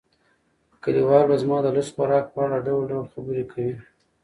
کلیوال به زما د لږ خوراک په اړه ډول ډول خبرې کوي.